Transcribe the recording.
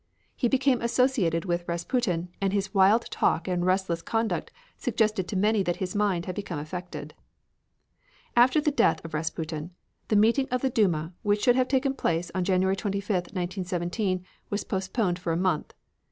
He became associated with Rasputin, and his wild talk and restless conduct suggested to many that his mind had become affected. After the death of Rasputin, the meeting of the Duma, which should have taken place on January 25, 1917, was postponed for a month.